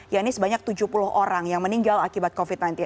ya ini sebanyak tujuh puluh orang yang meninggal akibat covid sembilan belas